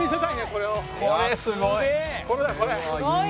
これこれ！